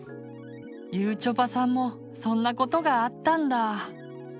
ゆちょぱさんもそんなことがあったんだ。